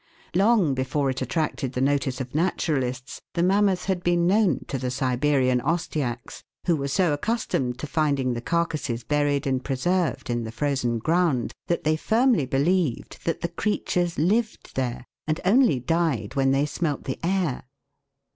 Long before it attracted the notice of naturalists, the mammoth had been known to the Siberian Ostyaks, who were so accustomed to finding the carcases buried and preserved in the frozen ground, that they firmly believed that the creatures lived there, and only died when they smelt the air.